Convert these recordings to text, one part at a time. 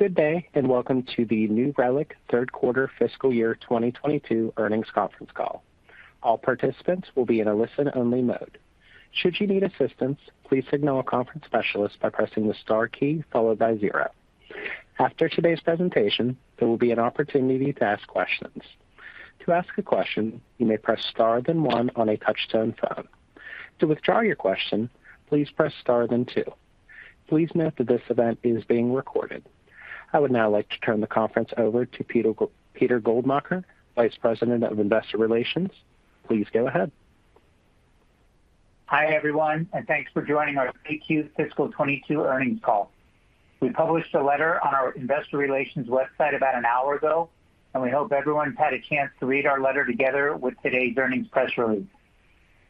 Good day, and welcome to the New Relic third quarter fiscal year 2022 earnings conference call. All participants will be in a listen only mode. Should you need assistance, please signal a conference specialist by pressing the star key followed by zero. After today's presentation, there will be an opportunity to ask questions. To ask a question, you may press star then one on a touch-tone phone. To withdraw your question, please press star then two. Please note that this event is being recorded. I would now like to turn the conference over to Peter Goldmacher, Vice President of Investor Relations. Please go ahead. Hi, everyone, and thanks for joining our 3Q fiscal 2022 earnings call. We published a letter on our investor relations website about an hour ago, and we hope everyone's had a chance to read our letter together with today's earnings press release.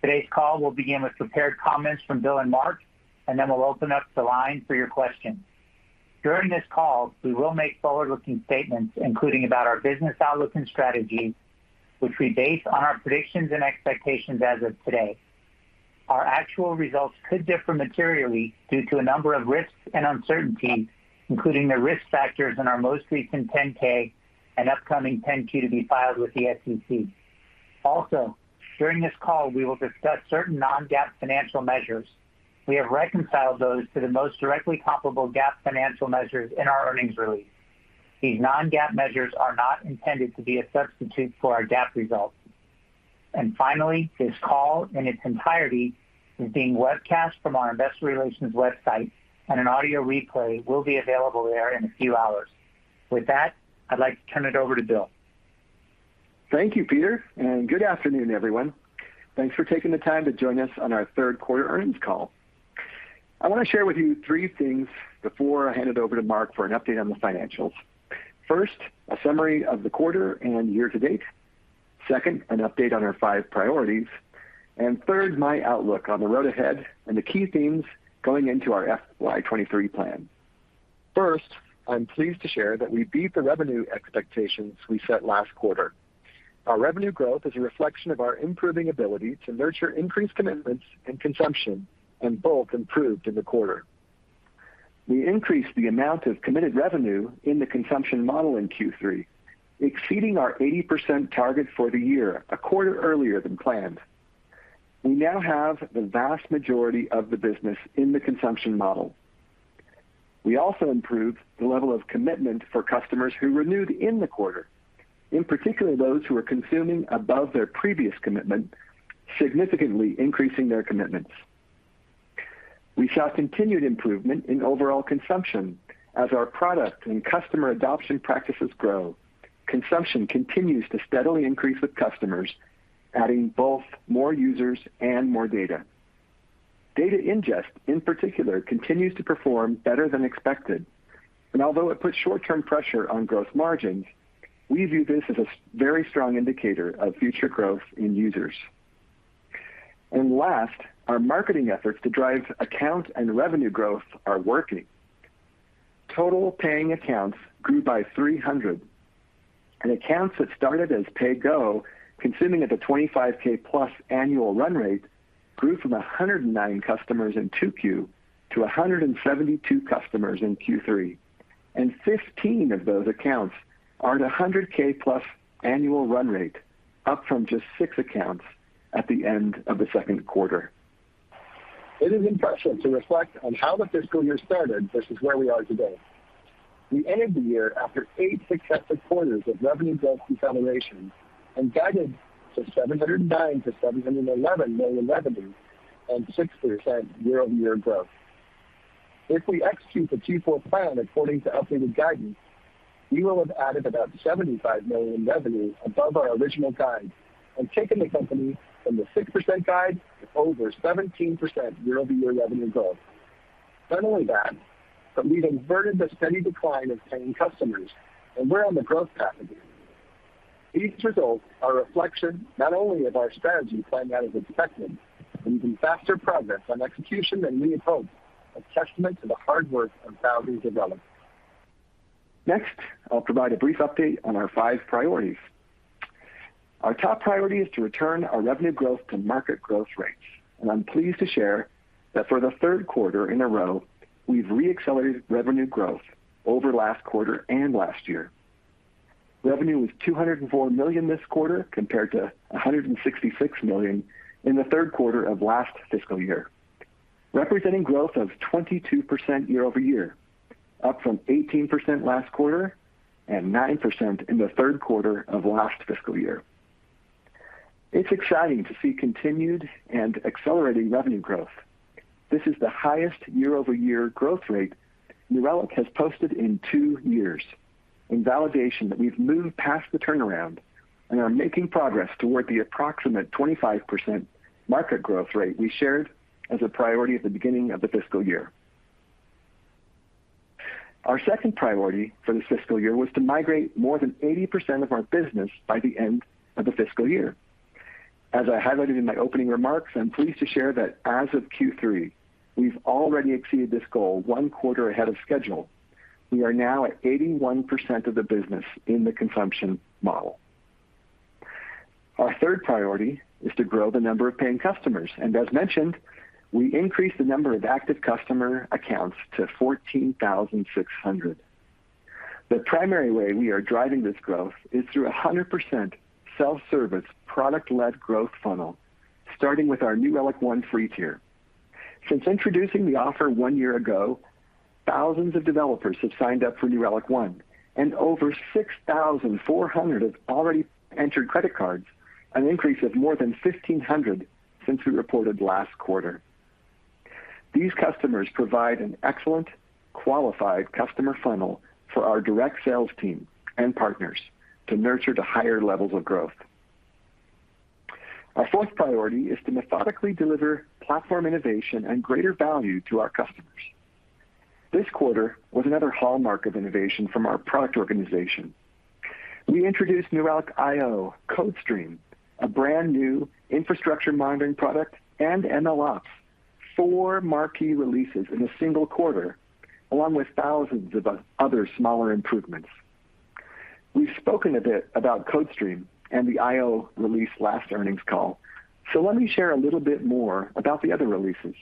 Today's call will begin with prepared comments from Bill and Mark, and then we'll open up the line for your questions. During this call, we will make forward-looking statements, including about our business outlook and strategy, which we base on our predictions and expectations as of today. Our actual results could differ materially due to a number of risks and uncertainties, including the risk factors in our most recent Form 10-K and upcoming Form 10-Q to be filed with the SEC. Also, during this call, we will discuss certain non-GAAP financial measures. We have reconciled those to the most directly comparable GAAP financial measures in our earnings release. These non-GAAP measures are not intended to be a substitute for our GAAP results. Finally, this call in its entirety is being webcast from our investor relations website, and an audio replay will be available there in a few hours. With that, I'd like to turn it over to Bill. Thank you, Peter, and good afternoon, everyone. Thanks for taking the time to join us on our third quarter earnings call. I wanna share with you three things before I hand it over to Mark for an update on the financials. First, a summary of the quarter and year to date. Second, an update on our five priorities. Third, my outlook on the road ahead and the key themes going into our FY 2023 plan. First, I'm pleased to share that we beat the revenue expectations we set last quarter. Our revenue growth is a reflection of our improving ability to nurture increased commitments and consumption, and both improved in the quarter. We increased the amount of committed revenue in the consumption model in Q3, exceeding our 80% target for the year, a quarter earlier than planned. We now have the vast majority of the business in the consumption model. We also improved the level of commitment for customers who renewed in the quarter, in particular, those who are consuming above their previous commitment, significantly increasing their commitments. We saw continued improvement in overall consumption. As our product and customer adoption practices grow, consumption continues to steadily increase with customers, adding both more users and more data. Data ingest, in particular, continues to perform better than expected. Although it puts short-term pressure on growth margins, we view this as a very strong indicator of future growth in users. Last, our marketing efforts to drive account and revenue growth are working. Total paying accounts grew by 300, and accounts that started as pay go, consuming at the $25,000+ annual run rate grew from 109 customers in 2Q to 172 customers in Q3. Fifteen of those accounts are at a $100,000+ annual run rate, up from just six accounts at the end of the second quarter. It is impressive to reflect on how the fiscal year started versus where we are today. We ended the year after eight successive quarters of revenue growth acceleration and guided to $709 million-$711 million revenue and 6% year-over-year growth. If we execute the Q4 plan according to updated guidance, we will have added about $75 million in revenue above our original guide and taken the company from the 6% guide to over 17% year-over-year revenue growth. Not only that, but we've inverted the steady decline of paying customers, and we're on the growth path again. These results are a reflection not only of our strategy playing out as expected, but even faster progress on execution than we had hoped, a testament to the hard work of thousands of Relics. Next, I'll provide a brief update on our five priorities. Our top priority is to return our revenue growth to market growth rates, and I'm pleased to share that for the third quarter in a row, we've re-accelerated revenue growth over last quarter and last year. Revenue was $204 million this quarter, compared to $166 million in the third quarter of last fiscal year, representing growth of 22% year-over-year, up from 18% last quarter and 9% in the third quarter of last fiscal year. It's exciting to see continued and accelerating revenue growth. This is the highest year-over-year growth rate New Relic has posted in two years, in validation that we've moved past the turnaround and are making progress toward the approximate 25% market growth rate we shared as a priority at the beginning of the fiscal year. Our second priority for this fiscal year was to migrate more than 80% of our business by the end of the fiscal year. As I highlighted in my opening remarks, I'm pleased to share that as of Q3, we've already exceeded this goal one quarter ahead of schedule. We are now at 81% of the business in the consumption model. Our third priority is to grow the number of paying customers. As mentioned, we increased the number of active customer accounts to 14,600. The primary way we are driving this growth is through a 100% self-service product-led growth funnel, starting with our New Relic One free tier. Since introducing the offer one year ago, thousands of developers have signed up for New Relic One and over 6,400 have already entered credit cards, an increase of more than 1,500 since we reported last quarter. These customers provide an excellent qualified customer funnel for our direct sales team and partners to nurture to higher levels of growth. Our fourth priority is to methodically deliver platform innovation and greater value to our customers. This quarter was another hallmark of innovation from our product organization. We introduced New Relic I/O, CodeStream, a brand new infrastructure monitoring product and MLOps, four marquee releases in a single quarter, along with thousands of other smaller improvements. We've spoken a bit about CodeStream and the I/O release last earnings call. Let me share a little bit more about the other releases.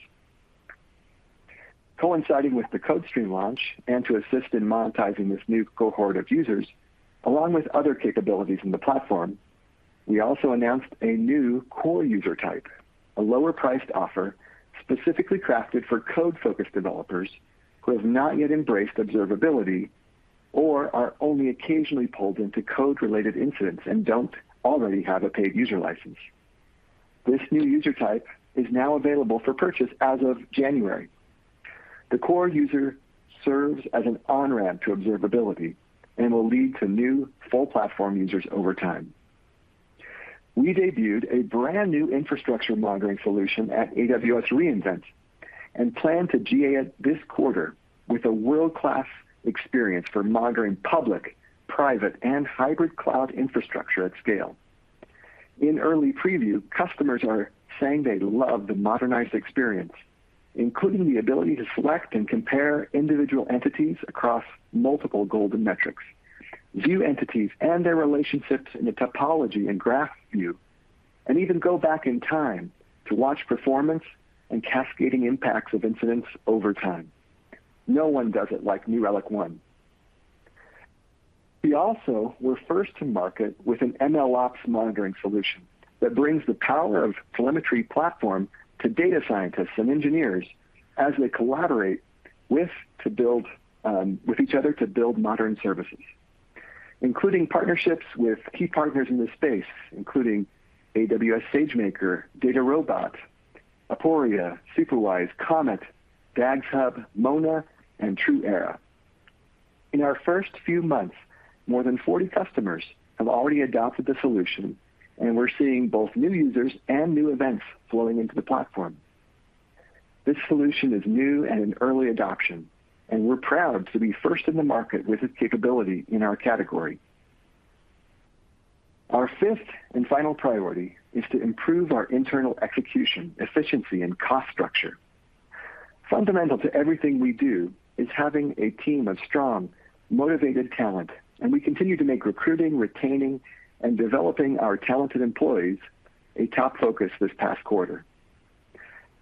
Coinciding with the CodeStream launch and to assist in monetizing this new cohort of users, along with other capabilities in the platform, we also announced a new core user type, a lower-priced offer specifically crafted for code-focused developers who have not yet embraced observability or are only occasionally pulled into code-related incidents and don't already have a paid user license. This new user type is now available for purchase as of January. The core user serves as an on-ramp to observability and will lead to new full platform users over time. We debuted a brand new infrastructure monitoring solution at AWS re:Invent and plan to GA it this quarter with a world-class experience for monitoring public, private, and hybrid cloud infrastructure at scale. In early preview, customers are saying they love the modernized experience, including the ability to select and compare individual entities across multiple golden metrics, view entities and their relationships in a topology and graph view, and even go back in time to watch performance and cascading impacts of incidents over time. No one does it like New Relic One. We also were first to market with an MLOps monitoring solution that brings the power of telemetry platform to data scientists and engineers as they collaborate with each other to build modern services, including partnerships with key partners in this space, including AWS SageMaker, DataRobot, Aporia, Superwise, Comet, DagsHub, Mona, and Truera. In our first few months, more than 40 customers have already adopted the solution, and we're seeing both new users and new events flowing into the platform. This solution is new and in early adoption, and we're proud to be first in the market with this capability in our category. Our fifth and final priority is to improve our internal execution, efficiency and cost structure. Fundamental to everything we do is having a team of strong, motivated talent, and we continue to make recruiting, retaining, and developing our talented employees a top focus this past quarter.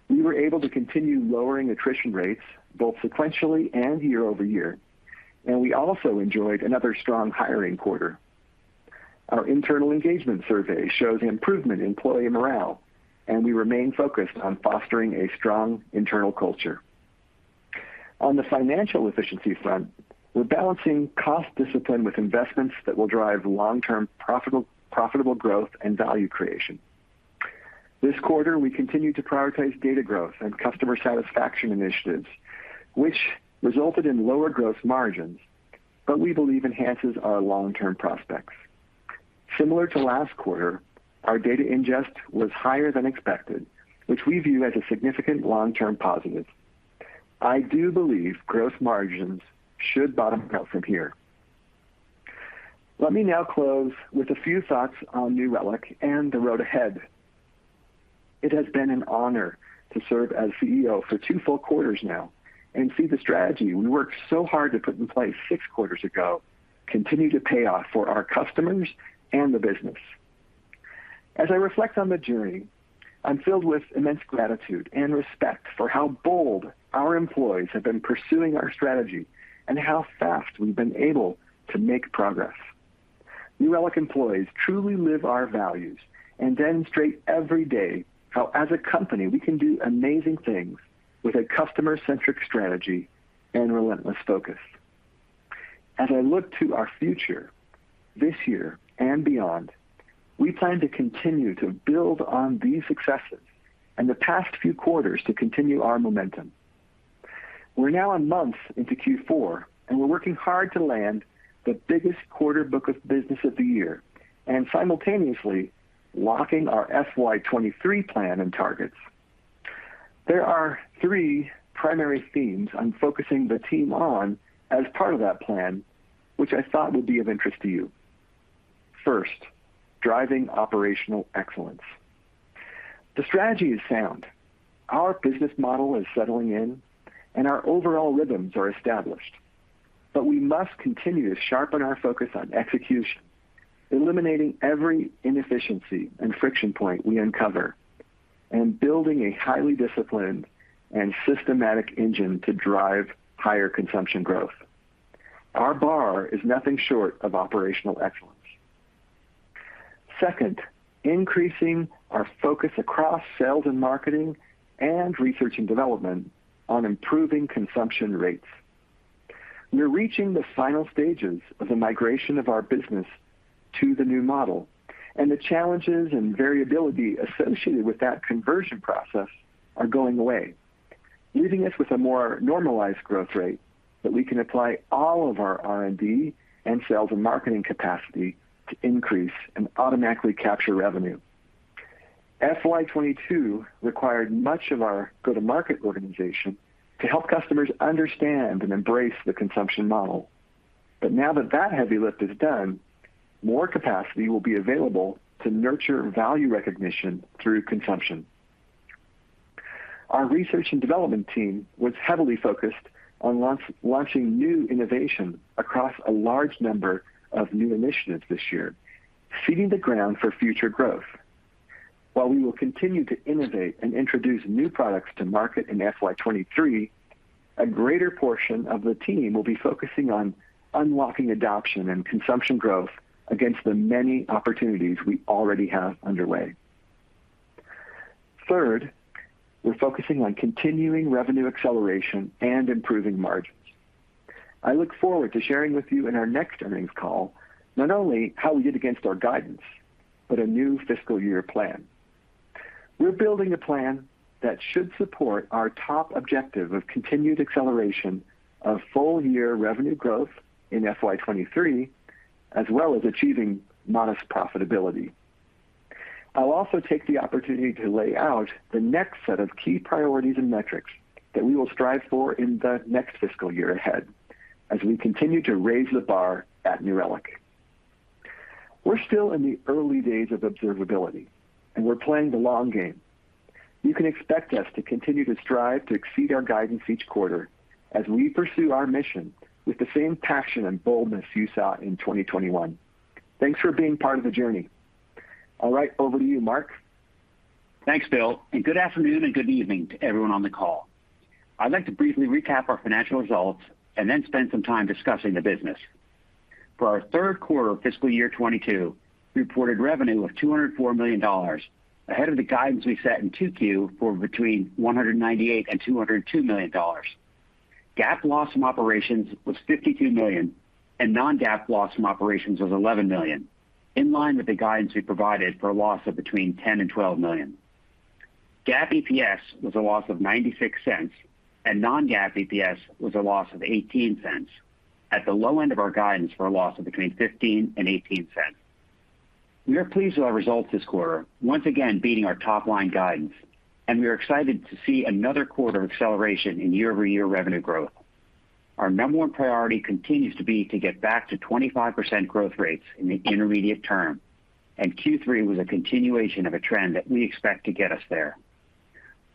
We were able to continue lowering attrition rates both sequentially and year-over-year, and we also enjoyed another strong hiring quarter. Our internal engagement survey shows improvement in employee morale, and we remain focused on fostering a strong internal culture. On the financial efficiency front, we're balancing cost discipline with investments that will drive long-term profitable growth and value creation. This quarter, we continued to prioritize data growth and customer satisfaction initiatives, which resulted in lower growth margins, but we believe enhances our long-term prospects. Similar to last quarter, our data ingest was higher than expected, which we view as a significant long-term positive. I do believe growth margins should bottom out from here. Let me now close with a few thoughts on New Relic and the road ahead. It has been an honor to serve as CEO for two full quarters now and see the strategy we worked so hard to put in place six quarters ago continue to pay off for our customers and the business. As I reflect on the journey, I'm filled with immense gratitude and respect for how bold our employees have been pursuing our strategy and how fast we've been able to make progress. New Relic employees truly live our values and demonstrate every day how, as a company, we can do amazing things with a customer-centric strategy and relentless focus. As I look to our future this year and beyond, we plan to continue to build on these successes and the past few quarters to continue our momentum. We're now a month into Q4, and we're working hard to land the biggest quarter book of business of the year and simultaneously locking our FY 2023 plan and targets. There are three primary themes I'm focusing the team on as part of that plan, which I thought would be of interest to you. First, driving operational excellence. The strategy is sound. Our business model is settling in and our overall rhythms are established. We must continue to sharpen our focus on execution, eliminating every inefficiency and friction point we uncover, and building a highly disciplined and systematic engine to drive higher consumption growth. Our bar is nothing short of operational excellence. Second, increasing our focus across sales and marketing and research and development on improving consumption rates. We're reaching the final stages of the migration of our business to the new model, and the challenges and variability associated with that conversion process are going away, leaving us with a more normalized growth rate that we can apply all of our R&D and sales and marketing capacity to increase and automatically capture revenue. FY 2022 required much of our go-to-market organization to help customers understand and embrace the consumption model. Now that that heavy lift is done, more capacity will be available to nurture value recognition through consumption. Our research and development team was heavily focused on launching new innovation across a large number of new initiatives this year, seeding the ground for future growth. While we will continue to innovate and introduce new products to market in FY 2023, a greater portion of the team will be focusing on unlocking adoption and consumption growth against the many opportunities we already have underway. Third, we're focusing on continuing revenue acceleration and improving margins. I look forward to sharing with you in our next earnings call, not only how we did against our guidance, but a new fiscal year plan. We're building a plan that should support our top objective of continued acceleration of full-year revenue growth in FY 2023, as well as achieving modest profitability. I'll also take the opportunity to lay out the next set of key priorities and metrics that we will strive for in the next fiscal year ahead as we continue to raise the bar at New Relic. We're still in the early days of observability, and we're playing the long game. You can expect us to continue to strive to exceed our guidance each quarter as we pursue our mission with the same passion and boldness you saw in 2021. Thanks for being part of the journey. All right, over to you, Mark. Thanks, Bill, and good afternoon and good evening to everyone on the call. I'd like to briefly recap our financial results and then spend some time discussing the business. For our third quarter of fiscal year 2022, we reported revenue of $204 million, ahead of the guidance we set in 2Q for between $198 million and $202 million. GAAP loss from operations was $52 million and non-GAAP loss from operations was $11 million, in line with the guidance we provided for a loss of between $10 million and $12 million. GAAP EPS was a loss of $0.96, and non-GAAP EPS was a loss of $0.18 at the low end of our guidance for a loss of between $0.15 and $0.18. We are pleased with our results this quarter, once again beating our top line guidance, and we are excited to see another quarter of acceleration in year-over-year revenue growth. Our number one priority continues to be to get back to 25% growth rates in the intermediate term, and Q3 was a continuation of a trend that we expect to get us there.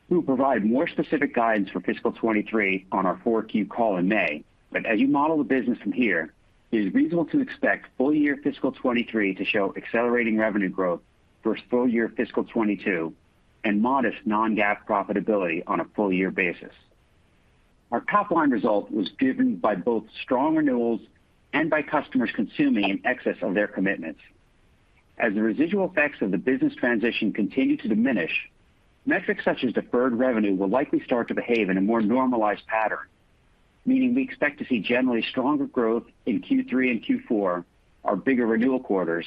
We will provide more specific guidance for fiscal 2023 on our 4Q call in May. As you model the business from here, it is reasonable to expect full year fiscal 2023 to show accelerating revenue growth versus full year fiscal 2022 and modest non-GAAP profitability on a full year basis. Our top line result was driven by both strong renewals and by customers consuming in excess of their commitments. As the residual effects of the business transition continue to diminish, metrics such as deferred revenue will likely start to behave in a more normalized pattern, meaning we expect to see generally stronger growth in Q3 and Q4, our bigger renewal quarters,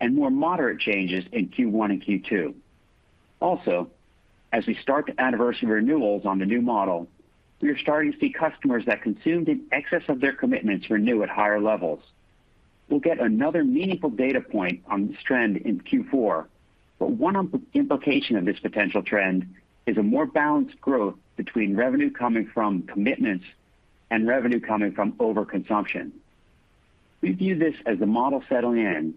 and more moderate changes in Q1 and Q2. Also, as we start to anniversary renewals on the new model, we are starting to see customers that consumed in excess of their commitments renew at higher levels. We'll get another meaningful data point on this trend in Q4. One implication of this potential trend is a more balanced growth between revenue coming from commitments and revenue coming from overconsumption. We view this as the model settling in,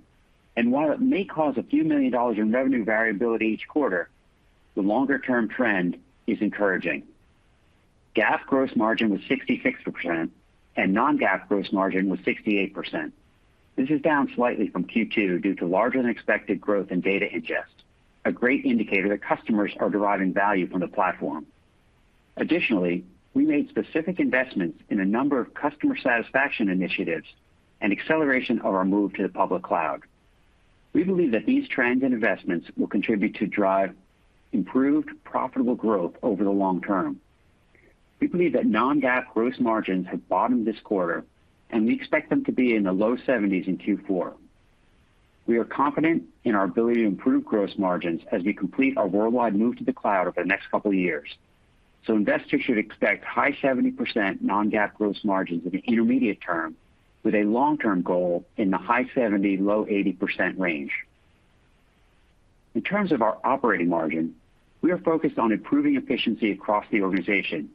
and while it may cause a few million dollars in revenue variability each quarter, the longer term trend is encouraging. GAAP gross margin was 66% and non-GAAP gross margin was 68%. This is down slightly from Q2 due to larger than expected growth in data ingest, a great indicator that customers are deriving value from the platform. Additionally, we made specific investments in a number of customer satisfaction initiatives and acceleration of our move to the public cloud. We believe that these trends and investments will contribute to drive improved profitable growth over the long term. We believe that non-GAAP gross margins have bottomed this quarter, and we expect them to be in the low 70s in Q4. We are confident in our ability to improve gross margins as we complete our worldwide move to the cloud over the next couple of years. Investors should expect high 70% non-GAAP gross margins in the intermediate term with a long-term goal in the high 70, low 80% range. In terms of our operating margin, we are focused on improving efficiency across the organization.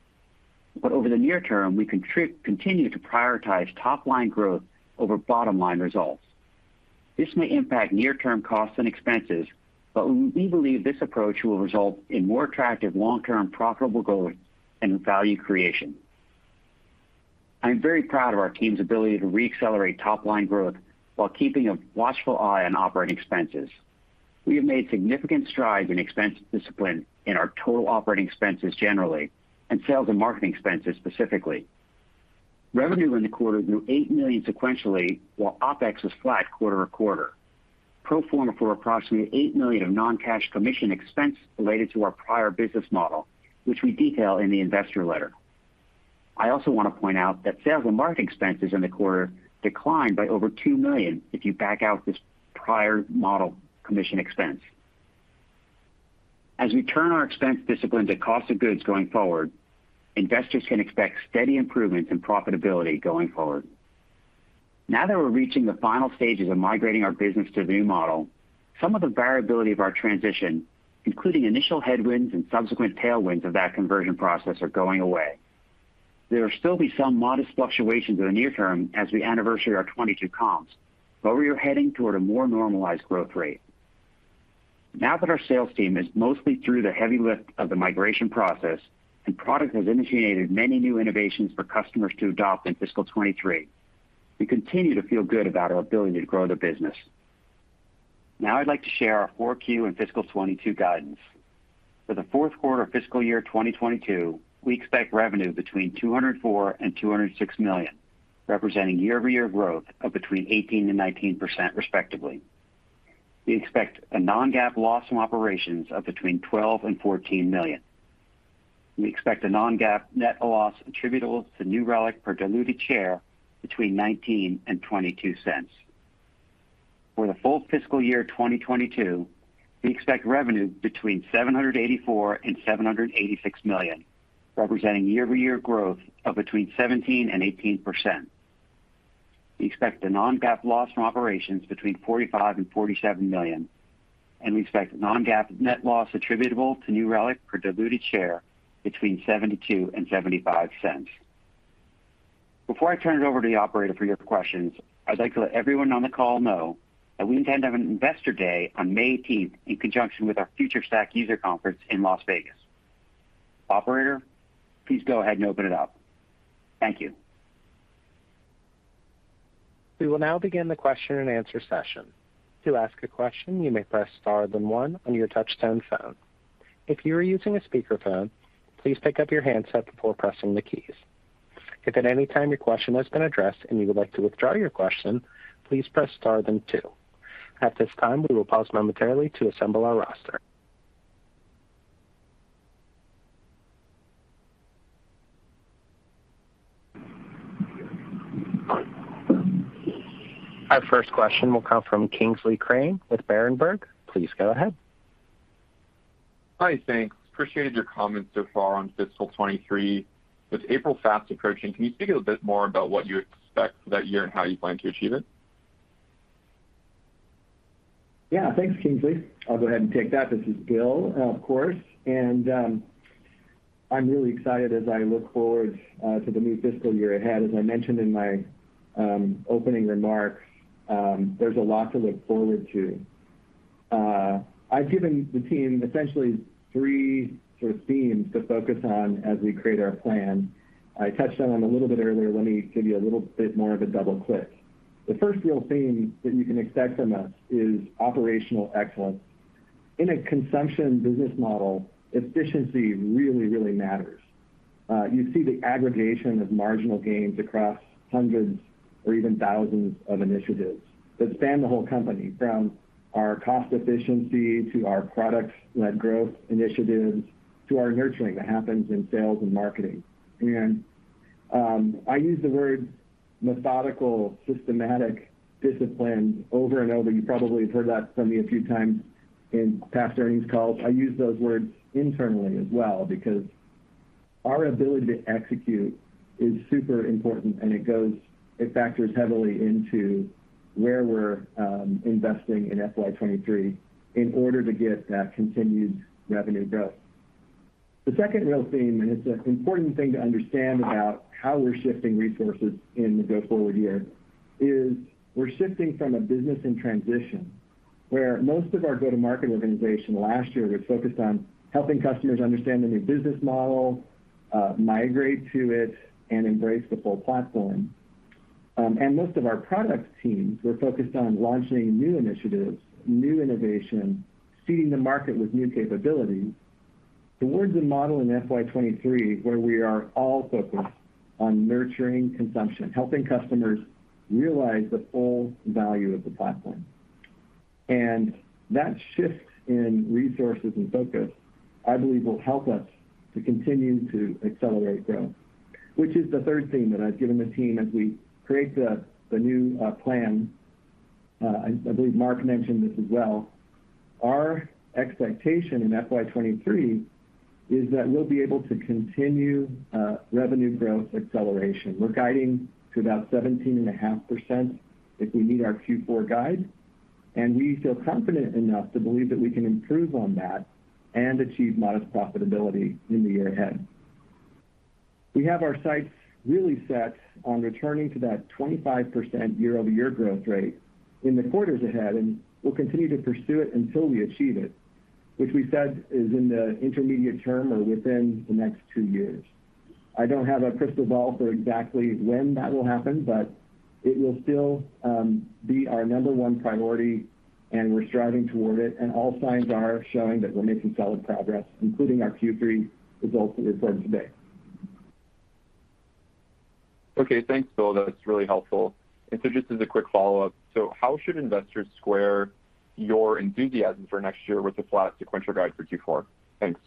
Over the near term, we continue to prioritize top line growth over bottom line results. This may impact near-term costs and expenses, but we believe this approach will result in more attractive long-term profitable growth and value creation. I'm very proud of our team's ability to re-accelerate top line growth while keeping a watchful eye on operating expenses. We have made significant strides in expense discipline in our total operating expenses generally, and sales and marketing expenses specifically. Revenue in the quarter grew $8 million sequentially, while OpEx was flat quarter-to-quarter, pro forma for approximately $8 million of non-cash commission expense related to our prior business model, which we detail in the investor letter. I also want to point out that sales and marketing expenses in the quarter declined by over $2 million if you back out this prior model commission expense. As we turn our expense discipline to cost of goods going forward, investors can expect steady improvements in profitability going forward. Now that we're reaching the final stages of migrating our business to the new model, some of the variability of our transition, including initial headwinds and subsequent tailwinds of that conversion process, are going away. There will still be some modest fluctuations in the near term as we anniversary our 2022 comps, but we are heading toward a more normalized growth rate. Now that our sales team is mostly through the heavy lift of the migration process, and product has initiated many new innovations for customers to adopt in fiscal 2023, we continue to feel good about our ability to grow the business. Now I'd like to share our Q4 and fiscal 2022 guidance. For the fourth quarter fiscal year 2022, we expect revenue between $204 million and $206 million, representing year-over-year growth of between 18% and 19% respectively. We expect a non-GAAP loss from operations of between $12 million-$14 million. We expect a non-GAAP net loss attributable to New Relic per diluted share between $0.19-$0.22. For the full fiscal year 2022, we expect revenue between $784 million-$786 million, representing year-over-year growth of between 17%-18%. We expect a non-GAAP loss from operations between $45 million-$47 million, and we expect non-GAAP net loss attributable to New Relic per diluted share between $0.72-$0.75. Before I turn it over to the operator for your questions, I'd like to let everyone on the call know that we intend to have an investor day on May 18th in conjunction with our FutureStack user conference in Las Vegas. Operator, please go ahead and open it up. Thank you. We will now begin the question and answer session. To ask a question, you may press star then one on your touchtone phone. If you are using a speakerphone, please pick up your handset before pressing the keys. If at any time your question has been addressed and you would like to withdraw your question, please press star then two. At this time, we will pause momentarily to assemble our roster. Our first question will come from Kingsley Crane with Berenberg. Please go ahead. Hi, thanks. I appreciated your comments so far on fiscal 2023. With April fast approaching, can you speak a bit more about what you expect for that year and how you plan to achieve it? Yeah, thanks, Kingsley. I'll go ahead and take that. This is Bill, of course. I'm really excited as I look forward to the new fiscal year ahead. As I mentioned in my opening remarks, there's a lot to look forward to. I've given the team essentially three sort of themes to focus on as we create our plan. I touched on them a little bit earlier. Let me give you a little bit more of a double click. The first real theme that you can expect from us is operational excellence. In a consumption business model, efficiency really, really matters. You see the aggregation of marginal gains across hundreds or even thousands of initiatives that span the whole company, from our cost efficiency to our product-led growth initiatives to our nurturing that happens in sales and marketing. I use the word methodical, systematic discipline over and over. You probably have heard that from me a few times in past earnings calls. I use those words internally as well because our ability to execute is super important, and it factors heavily into where we're investing in FY 2023 in order to get that continued revenue growth. The second real theme, and it's an important thing to understand about how we're shifting resources in the go-forward year, is we're shifting from a business in transition where most of our go-to-market organization last year was focused on helping customers understand the new business model, migrate to it and embrace the full platform. Most of our product teams were focused on launching new initiatives, new innovation, seeding the market with new capabilities towards a model in FY 2023, where we are all focused on nurturing consumption, helping customers realize the full value of the platform. That shift in resources and focus, I believe, will help us to continue to accelerate growth, which is the third theme that I've given the team as we create the new plan. I believe Mark mentioned this as well. Our expectation in FY 2023 is that we'll be able to continue revenue growth acceleration. We're guiding to about 17.5% if we meet our Q4 guide, and we feel confident enough to believe that we can improve on that and achieve modest profitability in the year ahead. We have our sights really set on returning to that 25% year-over-year growth rate in the quarters ahead, and we'll continue to pursue it until we achieve it, which we said is in the intermediate term or within the next two years. I don't have a crystal ball for exactly when that will happen, but it will still be our number one priority, and we're striving toward it, and all signs are showing that we're making solid progress, including our Q3 results that we've heard today. Okay. Thanks, Bill. That's really helpful. Just as a quick follow-up. How should investors square your enthusiasm for next year with the flat sequential guide for Q4? Thanks.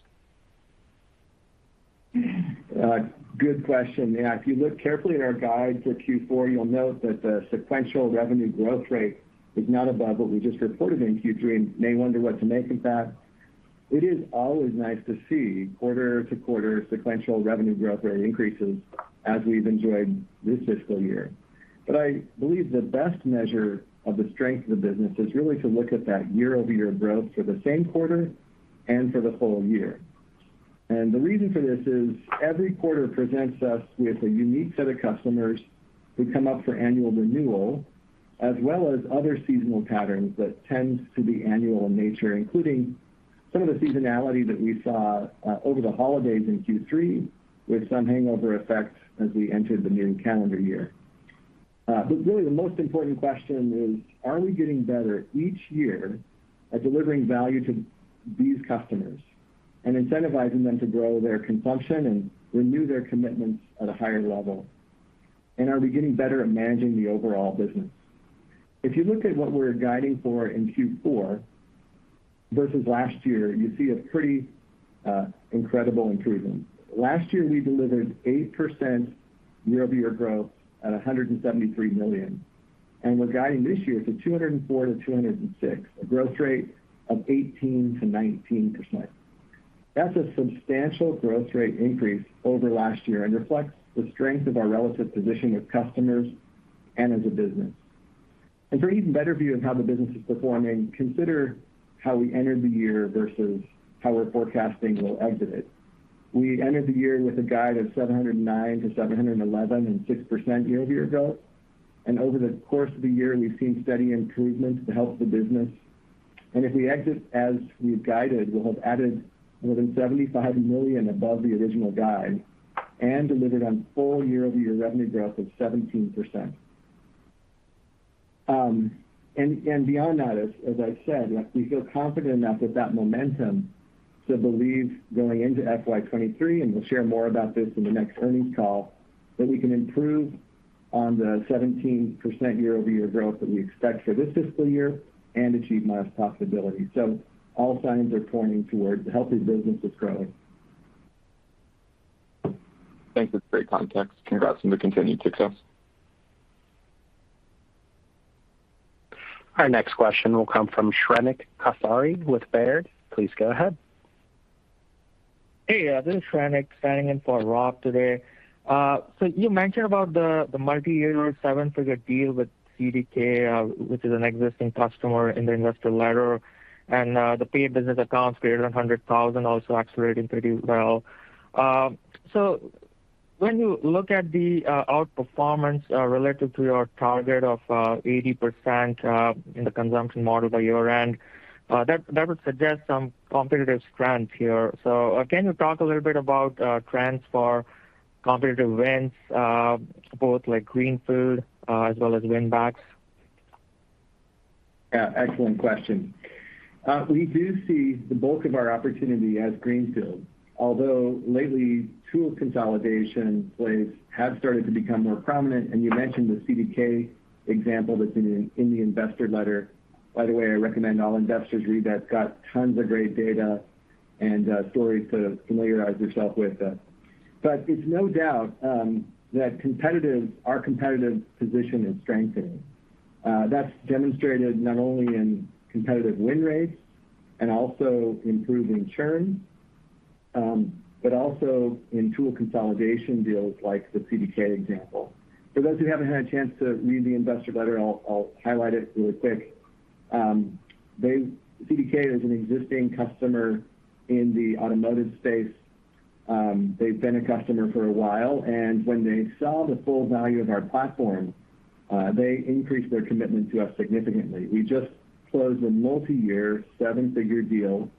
Good question. Yeah. If you look carefully at our guide for Q4, you'll note that the sequential revenue growth rate is not above what we just reported in Q3, and you may wonder what to make of that. It is always nice to see quarter-to-quarter sequential revenue growth rate increases as we've enjoyed this fiscal year. But I believe the best measure of the strength of the business is really to look at that year-over-year growth for the same quarter and for the whole year. The reason for this is every quarter presents us with a unique set of customers who come up for annual renewal, as well as other seasonal patterns that tends to be annual in nature, including some of the seasonality that we saw over the holidays in Q3, with some hangover effect as we entered the new calendar year. Really the most important question is, are we getting better each year at delivering value to these customers and incentivizing them to grow their consumption and renew their commitments at a higher level? Are we getting better at managing the overall business? If you look at what we're guiding for in Q4 versus last year, you see a pretty incredible improvement. Last year, we delivered 8% year-over-year growth at $173 million. We're guiding this year to $204 million-$206 million, a growth rate of 18%-19%. That's a substantial growth rate increase over last year and reflects the strength of our relative position with customers and as a business. For an even better view of how the business is performing, consider how we entered the year versus how we're forecasting we'll exit it. We entered the year with a guide of $709 million-$711 million, and 6% year-over-year growth. Over the course of the year, we've seen steady improvements that help the business. If we exit as we've guided, we'll have added more than $75 million above the original guide and delivered on full year-over-year revenue growth of 17%. Beyond that, as I said, we feel confident enough with that momentum to believe going into FY 2023, and we'll share more about this in the next earnings call, that we can improve on the 17% year-over-year growth that we expect for this fiscal year and achieve more profitability. All signs are pointing towards a healthy business that's growing. Thanks. That's great context. Congrats on the continued success. Our next question will come from Shrenik Kothari with Baird. Please go ahead. Hey, yeah, this is Shrenik standing in for Rob today. You mentioned about the multiyear seven-figure deal with CDK, which is an existing customer in the investor letter, and the paid business accounts greater than 100,000 also accelerating pretty well. When you look at the outperformance relative to your target of 80% in the consumption model by year-end, that would suggest some competitive strength here. Can you talk a little bit about trends for competitive wins, both like greenfield, as well as win backs? Yeah. Excellent question. We do see the bulk of our opportunity as greenfield, although lately tool consolidation plays have started to become more prominent. You mentioned the CDK example that's in the investor letter. By the way, I recommend all investors read that. It's got tons of great data and stories to familiarize yourself with. It's no doubt that our competitive position is strengthening. That's demonstrated not only in competitive win rates and also improving churn, but also in tool consolidation deals like the CDK example. For those who haven't had a chance to read the investor letter, I'll highlight it really quick. CDK is an existing customer in the automotive space. They've been a customer for a while, and when they saw the full value of our platform, they increased their commitment to us significantly. We just closed a multiyear seven-figure deal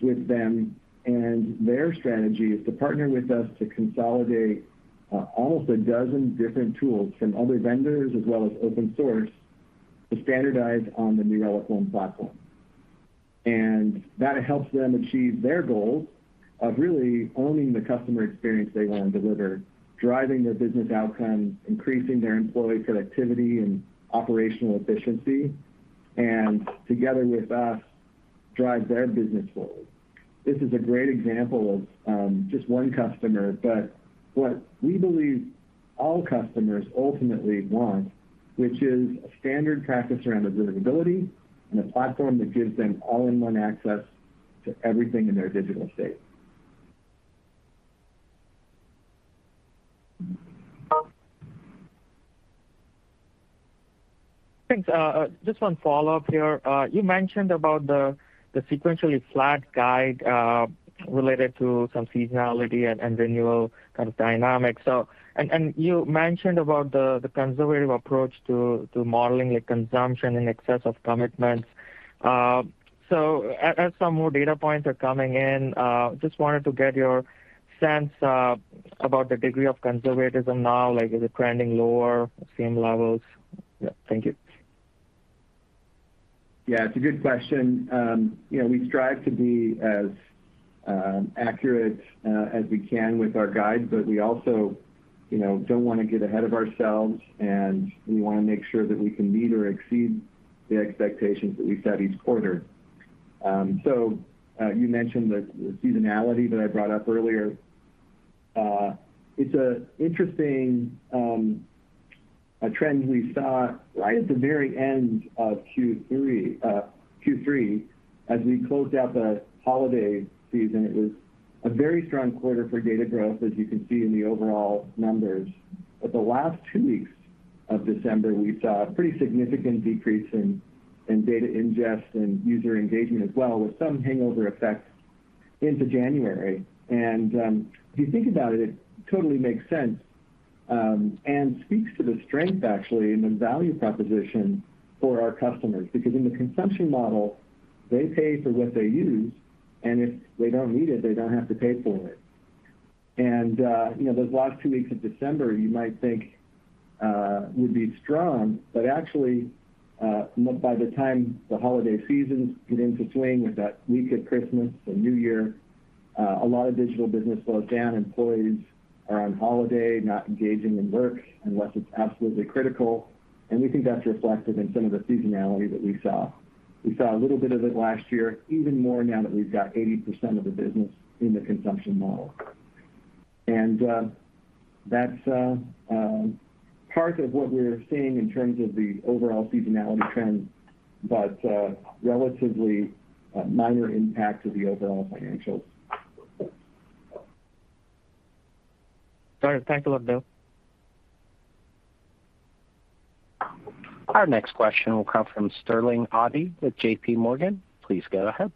with them, and their strategy is to partner with us to consolidate almost a dozen different tools from other vendors as well as open source to standardize on the New Relic One platform. That helps them achieve their goals of really owning the customer experience they want to deliver, driving their business outcomes, increasing their employee productivity and operational efficiency, and together with us, drive their business forward. This is a great example of just one customer, but what we believe all customers ultimately want, which is a standard practice around observability and a platform that gives them all-in-one access to everything in their digital state. Thanks. Just one follow-up here. You mentioned about the sequentially flat guide related to some seasonality and renewal kind of dynamics. So you mentioned about the conservative approach to modeling the consumption in excess of commitments. As some more data points are coming in, just wanted to get your sense about the degree of conservatism now, like is it trending lower, same levels? Yeah, thank you. Yeah, it's a good question. You know, we strive to be as accurate as we can with our guidance, but we also, you know, don't wanna get ahead of ourselves, and we wanna make sure that we can meet or exceed the expectations that we set each quarter. So, you mentioned the seasonality that I brought up earlier. It's an interesting trend we saw right at the very end of Q3 as we closed out the holiday season. It was a very strong quarter for data growth, as you can see in the overall numbers. But the last two weeks of December, we saw a pretty significant decrease in data ingest and user engagement as well, with some hangover effect into January. If you think about it totally makes sense, and speaks to the strength actually in the value proposition for our customers. Because in the consumption model, they pay for what they use, and if they don't need it, they don't have to pay for it. You know, those last two weeks of December, you might think, would be strong, but actually, by the time the holiday season get into swing with that week of Christmas or New Year, a lot of digital business slows down. Employees are on holiday, not engaging in work unless it's absolutely critical, and we think that's reflective in some of the seasonality that we saw. We saw a little bit of it last year, even more now that we've got 80% of the business in the consumption model. That's part of what we're seeing in terms of the overall seasonality trend, but relatively minor impact to the overall financials. All right. Thanks a lot, Bill. Our next question will come from Sterling Auty with JPMorgan. Please go ahead.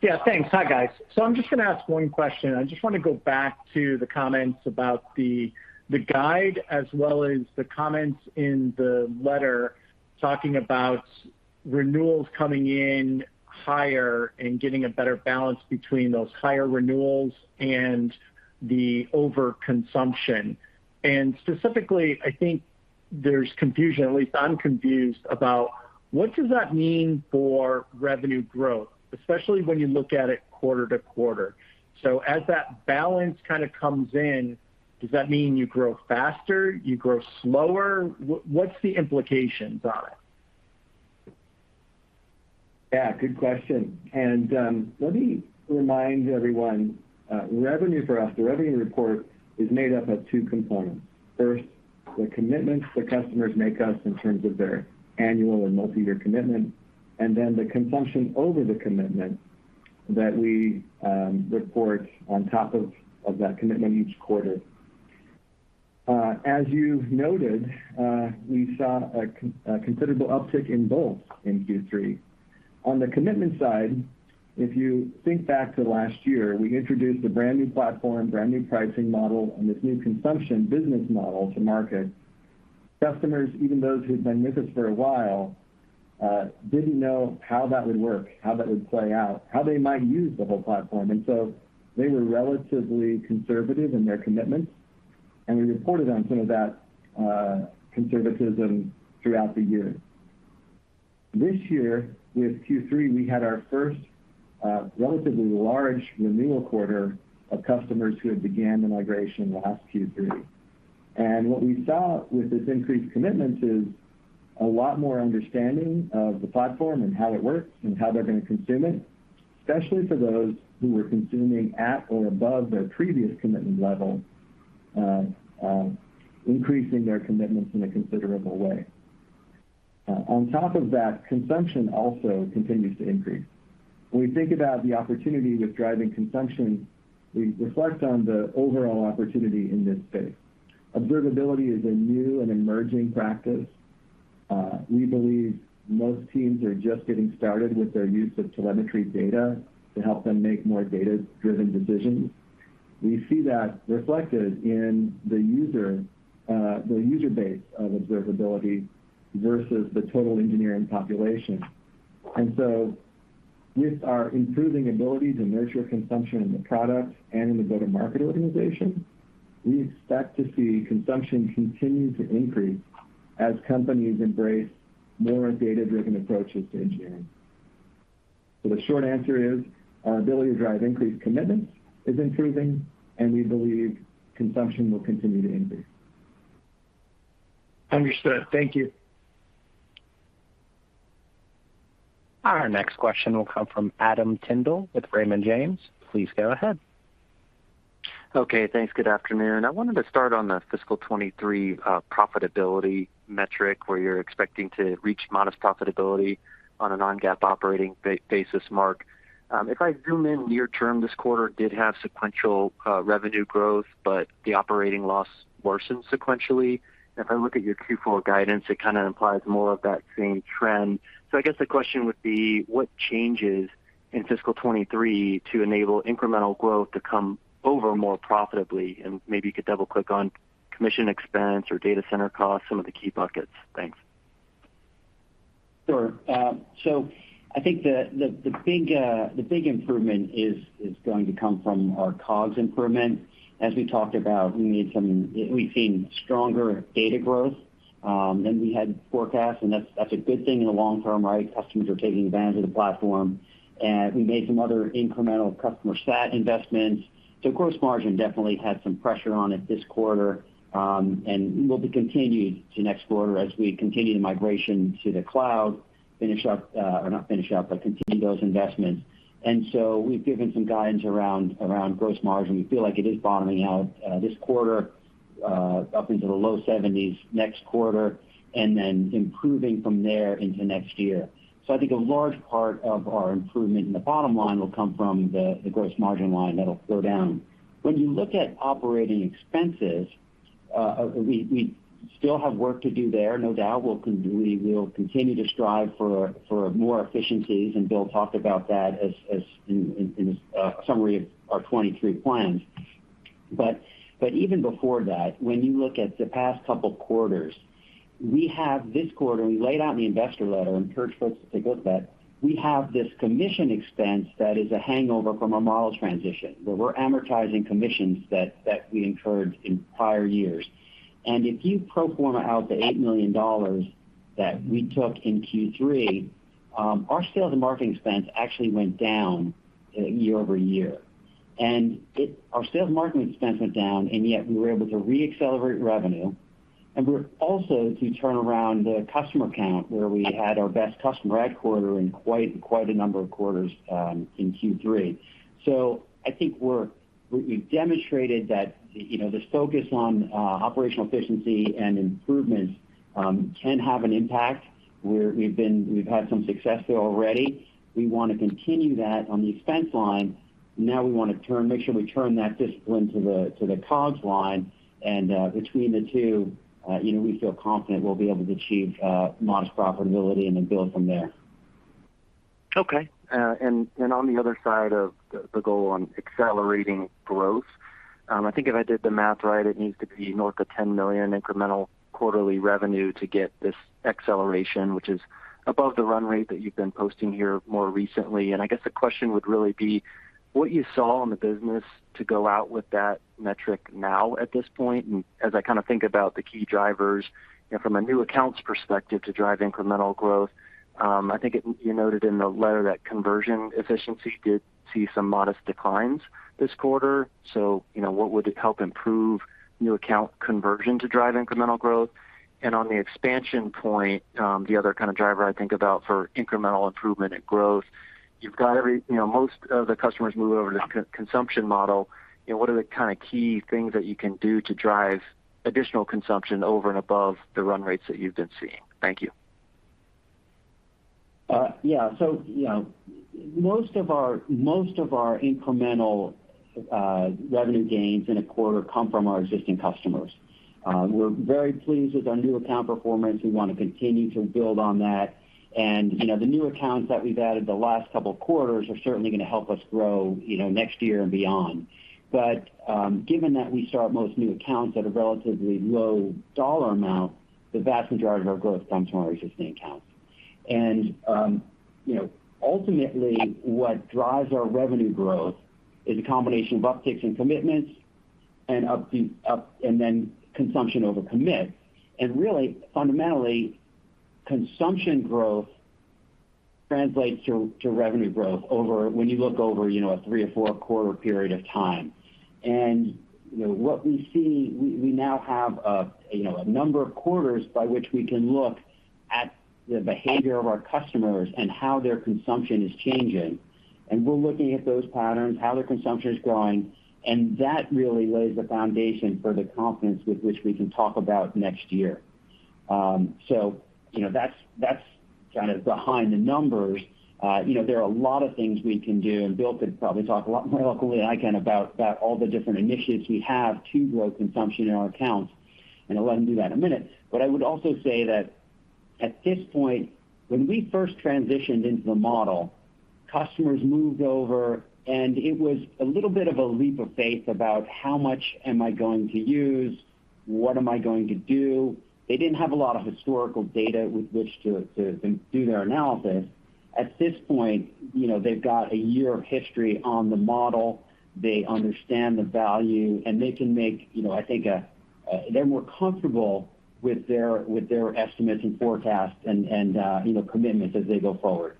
Yeah, thanks. Hi, guys. I'm just gonna ask one question. I just wanna go back to the comments about the guide as well as the comments in the letter talking about renewals coming in higher and getting a better balance between those higher renewals and the overconsumption. Specifically, I think there's confusion, at least I'm confused about what does that mean for revenue growth, especially when you look at it quarter-to-quarter. As that balance kind of comes in, does that mean you grow faster, you grow slower? What's the implications on it? Yeah, good question. Let me remind everyone, revenue for us, the revenue report is made up of two components. First, the commitments the customers make us in terms of their annual or multi-year commitment, and then the consumption over the commitment that we report on top of that commitment each quarter. As you noted, we saw a considerable uptick in both in Q3. On the commitment side, if you think back to last year, we introduced a brand-new platform, brand-new pricing model, and this new consumption business model to market. Customers, even those who'd been with us for a while, didn't know how that would work, how that would play out, how they might use the whole platform. They were relatively conservative in their commitments, and we reported on some of that conservatism throughout the year. This year, with Q3, we had our first relatively large renewal quarter of customers who had began the migration last Q3. What we saw with this increased commitment is a lot more understanding of the platform and how it works and how they're gonna consume it, especially for those who were consuming at or above their previous commitment level, increasing their commitments in a considerable way. On top of that, consumption also continues to increase. When we think about the opportunity with driving consumption, we reflect on the overall opportunity in this space. Observability is a new and emerging practice. We believe most teams are just getting started with their use of telemetry data to help them make more data-driven decisions. We see that reflected in the user base of observability versus the total engineering population. With our improving ability to nurture consumption in the products and in the go-to-market organization, we expect to see consumption continue to increase as companies embrace more data-driven approaches to engineering. The short answer is our ability to drive increased commitments is improving, and we believe consumption will continue to increase. Understood. Thank you. Our next question will come from Adam Tindle with Raymond James. Please go ahead. Good afternoon. I wanted to start on the fiscal 2023 profitability metric, where you're expecting to reach modest profitability on a non-GAAP operating basis margin. If I zoom in near term, this quarter did have sequential revenue growth, but the operating loss worsened sequentially. If I look at your Q4 guidance, it kind of implies more of that same trend. I guess the question would be what changes in fiscal 2023 to enable incremental growth to come in more profitably? Maybe you could double click on commission expense or data center costs, some of the key buckets. Thanks. Sure. I think the big improvement is going to come from our COGS improvement. As we talked about, we've seen stronger data growth than we had forecast, and that's a good thing in the long term, right? Customers are taking advantage of the platform. We made some other incremental customer sat investments. Gross margin definitely had some pressure on it this quarter, and will be continued to next quarter as we continue the migration to the cloud, or not finish up, but continue those investments. We've given some guidance around gross margin. We feel like it is bottoming out this quarter, up into the low 70s next quarter, and then improving from there into next year. I think a large part of our improvement in the bottom line will come from the gross margin line that'll go down. When you look at operating expenses, we still have work to do there, no doubt. We will continue to strive for more efficiencies, and Bill talked about that as in his summary of our 2023 plans. Even before that, when you look at the past couple quarters, we have this quarter, we laid out in the investor letter and encourage folks to take a look at that, we have this commission expense that is a hangover from a model transition, where we're amortizing commissions that we incurred in prior years. If you pro forma out the $8 million that we took in Q3, our sales and marketing expense actually went down year-over-year. Our sales and marketing expense went down, and yet we were able to re-accelerate revenue. We're also able to turn around the customer count, where we had our best customer add quarter in quite a number of quarters in Q3. I think we've demonstrated that, you know, this focus on operational efficiency and improvements can have an impact. We've had some success there already. We wanna continue that on the expense line. Now we wanna make sure we turn that discipline to the COGS line. Between the two, you know, we feel confident we'll be able to achieve modest profitability and then build from there. On the other side of the goal on accelerating growth, I think if I did the math right, it needs to be north of $10 million incremental quarterly revenue to get this acceleration, which is above the run rate that you've been posting here more recently. I guess the question would really be what you saw in the business to go out with that metric now at this point. As I kind of think about the key drivers, you know, from a new accounts perspective to drive incremental growth, I think you noted in the letter that conversion efficiency did see some modest declines this quarter. You know, what would help improve new account conversion to drive incremental growth? On the expansion point, the other kind of driver I think about for incremental improvement and growth, you've got, you know, most of the customers move over to consumption model. You know, what are the kind of key things that you can do to drive additional consumption over and above the run rates that you've been seeing? Thank you. You know, most of our incremental revenue gains in a quarter come from our existing customers. We're very pleased with our new account performance. We wanna continue to build on that. You know, the new accounts that we've added the last couple of quarters are certainly gonna help us grow, you know, next year and beyond. Given that we start most new accounts at a relatively low dollar amount, the vast majority of our growth comes from our existing accounts. You know, ultimately, what drives our revenue growth is a combination of upticks in commitments and then consumption over commit. Really, fundamentally, consumption growth translates to revenue growth when you look over, you know, a three or four quarter period of time. You know, what we see, we now have a number of quarters by which we can look at the behavior of our customers and how their consumption is changing. We're looking at those patterns, how their consumption is growing, and that really lays the foundation for the confidence with which we can talk about next year. You know, that's kind of behind the numbers. You know, there are a lot of things we can do, and Bill could probably talk a lot more eloquently than I can about all the different initiatives we have to grow consumption in our accounts. I'll let him do that in a minute. I would also say that at this point, when we first transitioned into the model, customers moved over, and it was a little bit of a leap of faith about how much am I going to use? What am I going to do? They didn't have a lot of historical data with which to do their analysis. At this point, you know, they've got a year of history on the model. They understand the value, and they can make, you know, I think a. They're more comfortable with their estimates and forecasts and, you know, commitments as they go forward.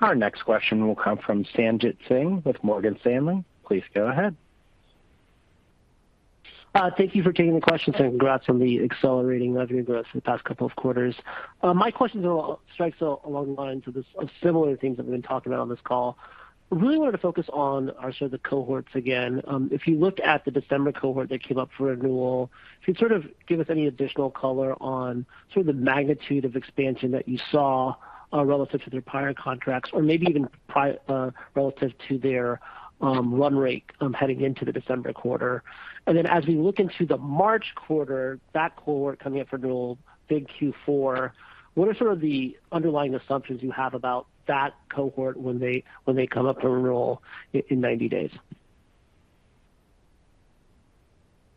Our next question will come from Sanjit Singh with Morgan Stanley. Please go ahead. Thank you for taking the question, and congrats on the accelerating revenue growth in the past couple of quarters. My question though strikes along the lines of similar things that we've been talking about on this call. Really wanted to focus on our cohorts again. If you looked at the December cohort that came up for renewal, if you'd give us any additional color on the magnitude of expansion that you saw, relative to their prior contracts or maybe even relative to their run rate, heading into the December quarter. Then as we look into the March quarter, that cohort coming up for renewal, big Q4, what are the underlying assumptions you have about that cohort when they come up for renewal in 90 days?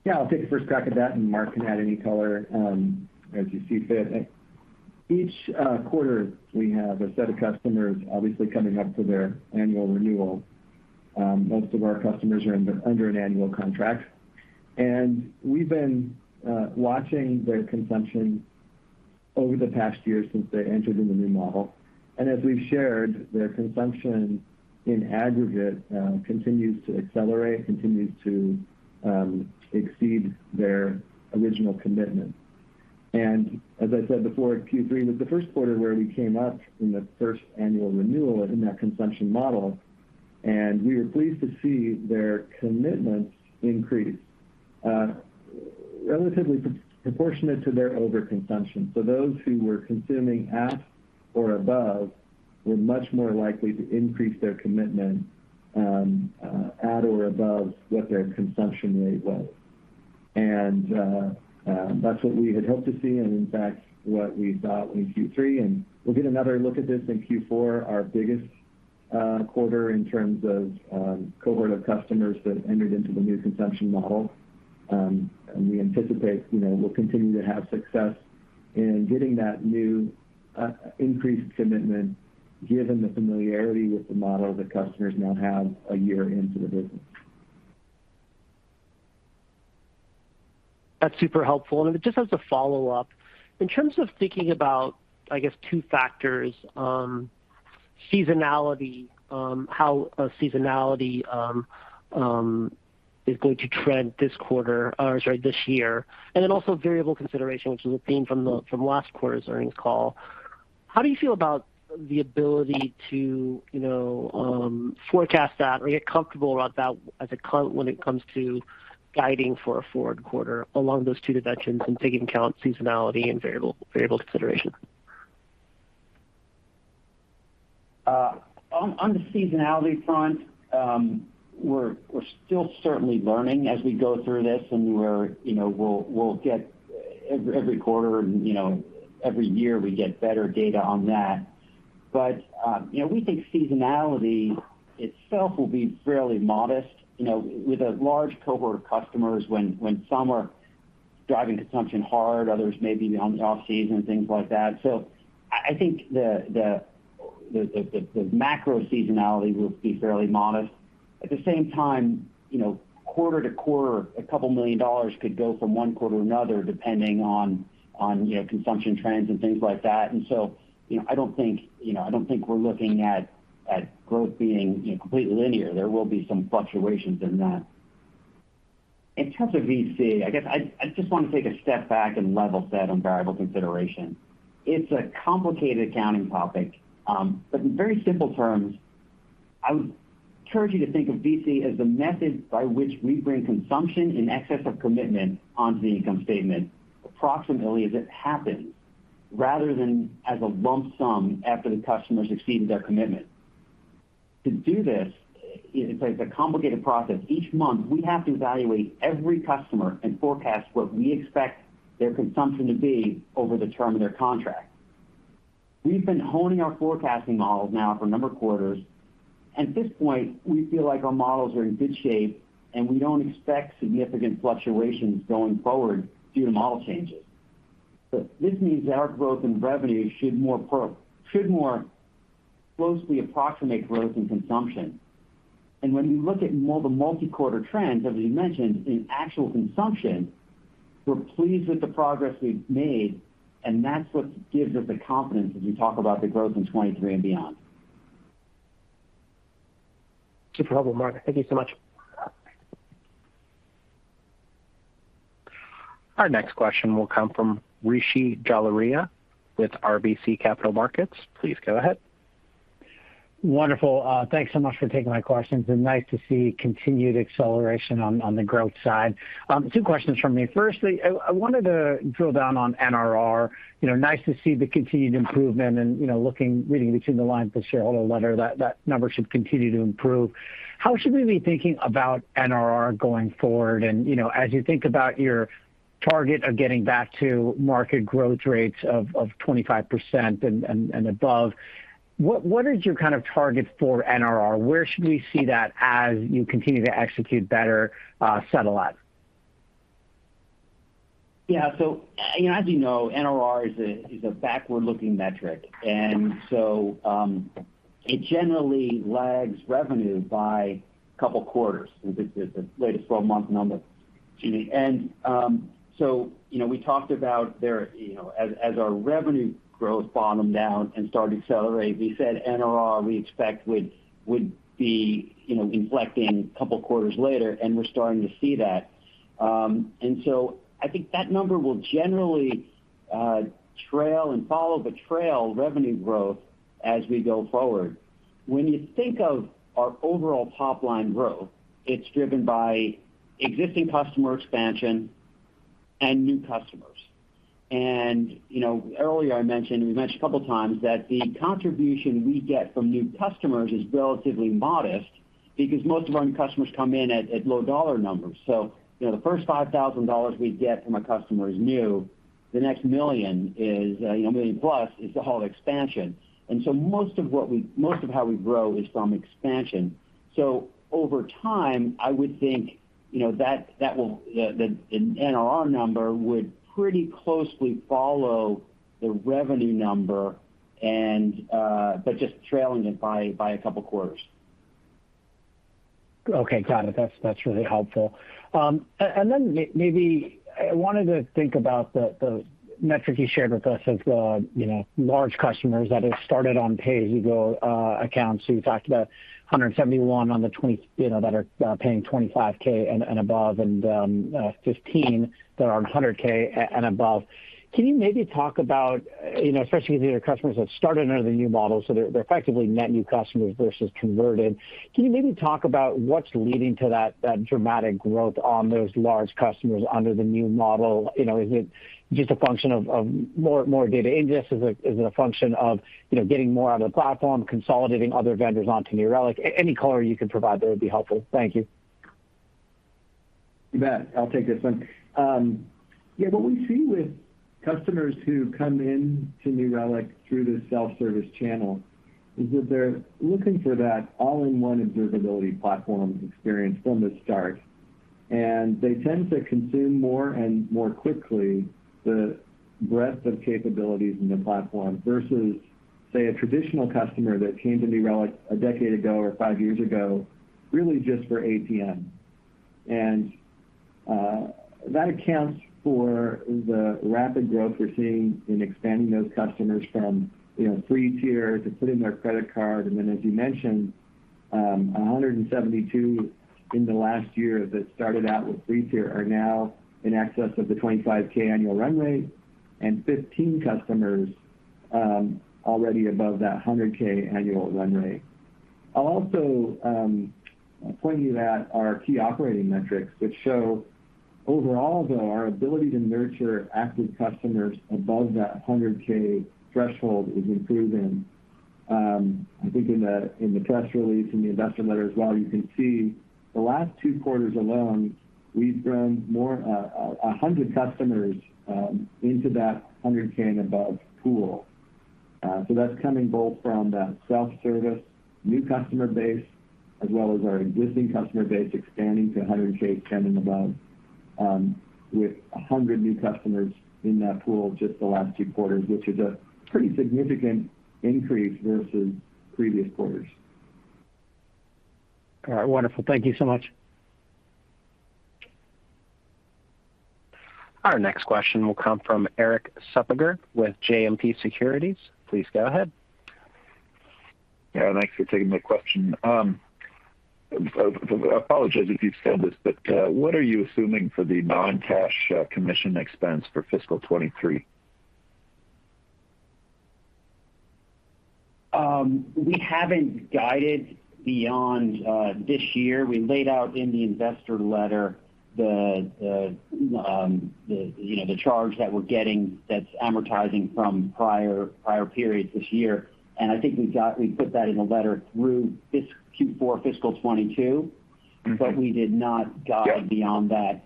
Yeah, I'll take the first crack at that, and Mark can add any color as you see fit. Each quarter we have a set of customers obviously coming up to their annual renewal. Most of our customers are under an annual contract. We've been watching their consumption over the past year since they entered in the new model. As we've shared, their consumption in aggregate continues to accelerate, continues to exceed their original commitment. As I said before, Q3 was the first quarter where we came up in the first annual renewal in that consumption model, and we were pleased to see their commitment increase relatively proportionate to their overconsumption. Those who were consuming at or above were much more likely to increase their commitment at or above what their consumption rate was. That's what we had hoped to see and in fact what we saw in Q3. We'll get another look at this in Q4, our biggest quarter in terms of cohort of customers that entered into the new consumption model. We anticipate, you know, we'll continue to have success in getting that new increased commitment given the familiarity with the model that customers now have a year into the business. That's super helpful. Just as a follow-up, in terms of thinking about, I guess, two factors, seasonality, how seasonality is going to trend this quarter or sorry, this year, and then also variable consideration, which is a theme from the from last quarter's earnings call. How do you feel about the ability to, you know, forecast that or get comfortable about that when it comes to guiding for a forward quarter along those two dimensions and taking account seasonality and variable consideration? On the seasonality front, we're still certainly learning as we go through this, and you know, we'll get every quarter and, you know, every year we get better data on that. You know, we think seasonality itself will be fairly modest. You know, with a large cohort of customers when some are driving consumption hard, others may be on the off season, things like that. I think the macro seasonality will be fairly modest. At the same time, you know, quarter-to-quarter, $2 million could go from one quarter to another depending on, you know, consumption trends and things like that. You know, I don't think we're looking at growth being, you know, completely linear. There will be some fluctuations in that. In terms of VC, I just want to take a step back and level set on variable consideration. It's a complicated accounting topic, but in very simple terms, I would encourage you to think of VC as the method by which we bring consumption in excess of commitment onto the income statement approximately as it happens, rather than as a lump sum after the customer's exceeded their commitment. To do this, it's like a complicated process. Each month, we have to evaluate every customer and forecast what we expect their consumption to be over the term of their contract. We've been honing our forecasting models now for a number of quarters. At this point, we feel like our models are in good shape, and we don't expect significant fluctuations going forward due to model changes. This means our growth in revenue should more closely approximate growth in consumption. When we look more at the multi-quarter trends, as we mentioned, in actual consumption, we're pleased with the progress we've made, and that's what gives us the confidence as we talk about the growth in 2023 and beyond. Super helpful, Mark. Thank you so much. Our next question will come from Rishi Jaluria with RBC Capital Markets. Please go ahead. Wonderful. Thanks so much for taking my questions, and nice to see continued acceleration on the growth side. Two questions from me. Firstly, I wanted to drill down on NRR. You know, nice to see the continued improvement and, you know, reading between the lines of the shareholder letter that that number should continue to improve. How should we be thinking about NRR going forward? And, you know, as you think about your target of getting back to market growth rates of 25% and above, what is your kind of target for NRR? Where should we see that as you continue to execute better, settle up? Yeah. You know, as you know, NRR is a backward-looking metric. It generally lags revenue by a couple quarters. It's a latest twelve-month number. You know, we talked about there, you know, as our revenue growth bottomed down and started to accelerate, we said NRR we expect would be, you know, inflecting a couple of quarters later, and we're starting to see that. I think that number will generally trail and follow, but trail revenue growth as we go forward. When you think of our overall top line growth, it's driven by existing customer expansion and new customers. You know, earlier I mentioned, we mentioned a couple of times that the contribution we get from new customers is relatively modest because most of our new customers come in at low dollar numbers. You know, the first $5,000 we get from a customer is new. The next million is million plus is the whole expansion. Most of how we grow is from expansion. Over time, I would think, you know, that the NRR number would pretty closely follow the revenue number and but just trailing it by a couple of quarters. Okay. Got it. That's really helpful. And then maybe I wanted to think about the metric you shared with us of the large customers that have started on pay-as-you-go accounts. You talked about 171 that are paying $25,000 and above and 15 that are on $100,000 and above. Can you maybe talk about, especially with your customers that started under the new model, so they're effectively net new customers versus converted. Can you maybe talk about what's leading to that dramatic growth on those large customers under the new model? You know, is it just a function of more data ingest? Is it a function of getting more on the platform, consolidating other vendors onto New Relic? Any color you can provide there would be helpful. Thank you. You bet. I'll take this one. What we see with customers who come in to New Relic through this self-service channel is that they're looking for that all-in-one observability platform experience from the start. They tend to consume more and more quickly the breadth of capabilities in the platform versus, say, a traditional customer that came to New Relic a decade ago or five years ago, really just for APM. That accounts for the rapid growth we're seeing in expanding those customers from, you know, free tier to putting their credit card. As you mentioned, 172 in the last year that started out with free tier are now in excess of the $25,000 annual run rate, and 15 customers already above that $100,000 annual run rate. I'll also point you at our key operating metrics, which show overall, though, our ability to nurture active customers above that $100,000 threshold is improving. I think in the press release, in the investor letter as well, you can see the last two quarters alone, we've grown 100 customers into that $100,000 and above pool. That's coming both from that self-service new customer base as well as our existing customer base expanding to a $100,000 and above, with 100 new customers in that pool just the last two quarters, which is a pretty significant increase versus previous quarters. All right. Wonderful. Thank you so much. Our next question will come from Erik Suppiger with JMP Securities. Please go ahead. Yeah, thanks for taking my question. I apologize if you've said this, but what are you assuming for the non-cash commission expense for fiscal 2023? We haven't guided beyond this year. We laid out in the investor letter the, you know, the charge that we're getting that's amortizing from prior periods this year. I think we put that in a letter through Q4 fiscal 2022. Mm-hmm. We did not guide. Yeah Beyond that.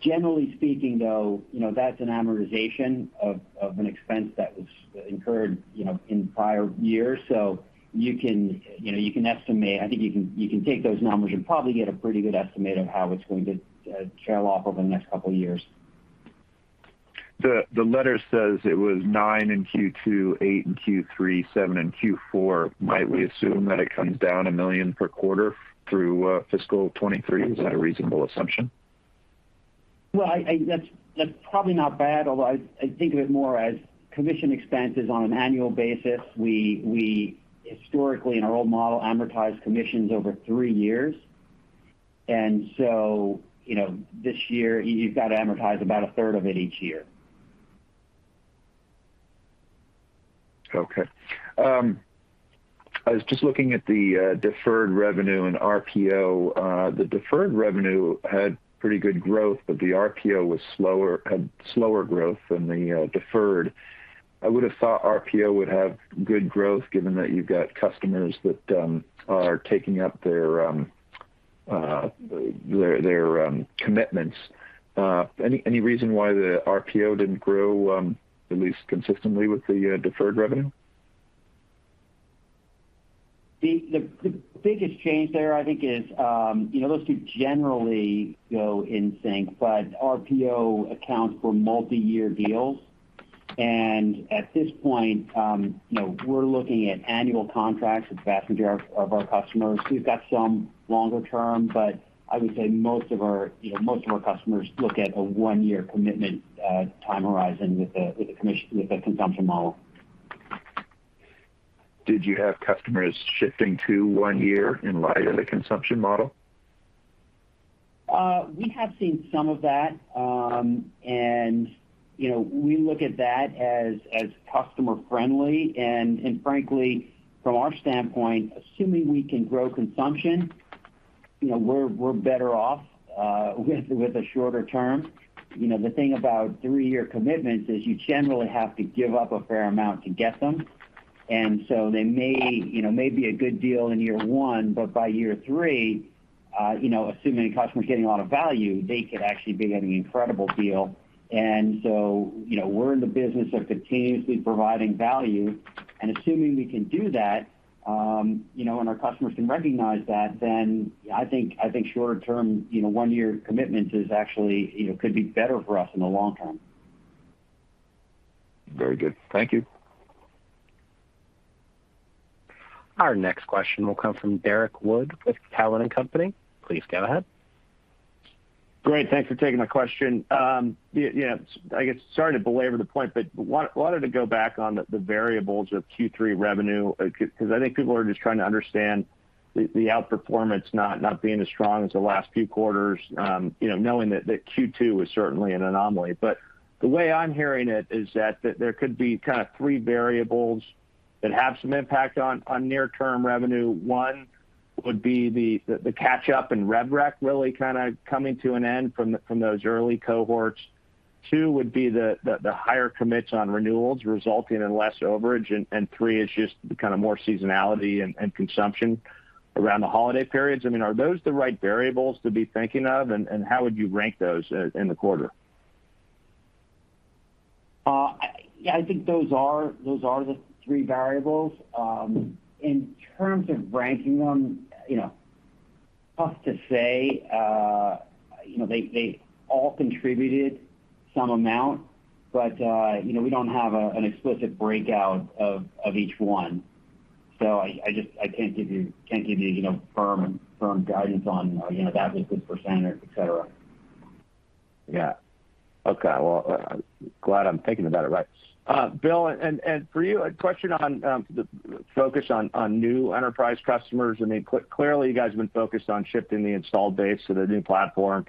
Generally speaking, though, you know, that's an amortization of an expense that was incurred, you know, in prior years. You can, you know, take those numbers and probably get a pretty good estimate of how it's going to trail off over the next couple of years. The letter says it was nine in Q2, eight in Q3, seven in Q4. Might we assume that it comes down $1 million per quarter through fiscal 2023? Is that a reasonable assumption? Well, that's probably not bad, although I think of it more as commission expense is on an annual basis. We historically in our old model, amortize commissions over three years. You know, this year, you've got to amortize about a third of it each year. Okay. I was just looking at the deferred revenue and RPO. The deferred revenue had pretty good growth, but the RPO had slower growth than the deferred. I would have thought RPO would have good growth given that you've got customers that are taking up their commitments. Any reason why the RPO didn't grow at least consistently with the deferred revenue? The biggest change there, I think, is, you know, those two generally go in sync, but RPO accounts for multi-year deals. At this point, you know, we're looking at annual contracts with the vast majority of our customers. We've got some longer term, but I would say most of our customers look at a one-year commitment time horizon with a consumption model. Did you have customers shifting to one year in light of the consumption model? We have seen some of that. You know, we look at that as customer friendly. Frankly, from our standpoint, assuming we can grow consumption, you know, we're better off with a shorter term. You know, the thing about three-year commitments is you generally have to give up a fair amount to get them. They may, you know, be a good deal in year one, but by year three, you know, assuming the customer is getting a lot of value, they could actually be getting an incredible deal. You know, we're in the business of continuously providing value. Assuming we can do that, you know, and our customers can recognize that, then I think shorter term, you know, one-year commitments is actually, you know, could be better for us in the long term. Very good. Thank you. Our next question will come from Derrick Wood with Cowen and Company. Please go ahead. Great. Thanks for taking my question. Yeah, I guess, sorry to belabor the point, but wanted to go back on the variables of Q3 revenue, 'cause I think people are just trying to understand the outperformance not being as strong as the last few quarters, you know, knowing that Q2 was certainly an anomaly. The way I'm hearing it is that there could be kind of three variables that have some impact on near-term revenue. One would be the catch-up in rev rec really kind of coming to an end from those early cohorts. Two would be the higher commits on renewals resulting in less overage. Three is just the kind of more seasonality and consumption around the holiday periods. I mean, are those the right variables to be thinking of? How would you rank those in the quarter? Yeah, I think those are the three variables. In terms of ranking them, you know, tough to say. You know, they all contributed some amount, but you know, we don't have an explicit breakout of each one. So I just can't give you you know, firm guidance on you know, that was good for standard, et cetera. Yeah. Okay. Well, glad I'm thinking about it right. Bill, and for you, a question on the focus on new enterprise customers. I mean, clearly, you guys have been focused on shifting the installed base to the new platform.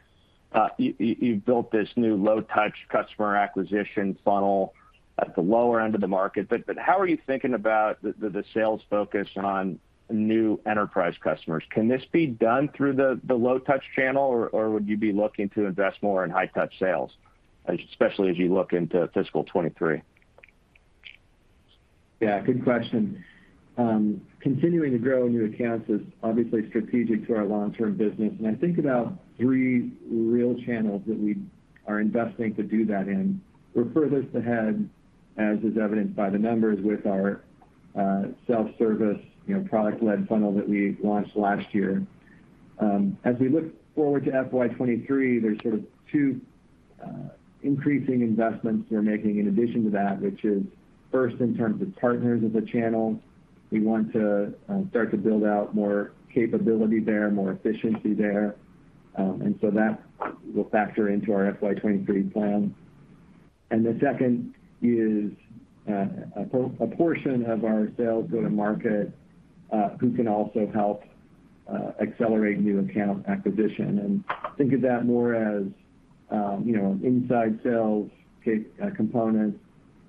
You built this new low-touch customer acquisition funnel at the lower end of the market. How are you thinking about the sales focus on new enterprise customers? Can this be done through the low-touch channel, or would you be looking to invest more in high-touch sales, especially as you look into fiscal 2023? Yeah, good question. Continuing to grow new accounts is obviously strategic to our long-term business. I think about three real channels that we are investing to do that in. We're furthest ahead, as is evidenced by the numbers, with our self-service, you know, product-led funnel that we launched last year. As we look forward to FY 2023, there's sort of two increasing investments we're making in addition to that, which is first in terms of partners as a channel. We want to start to build out more capability there, more efficiency there. That will factor into our FY 2023 plan. The second is a portion of our sales go-to-market who can also help accelerate new account acquisition. Think of that more as, you know, inside sales component,